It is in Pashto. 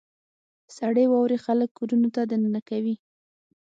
• سړې واورې خلک کورونو ته دننه کوي.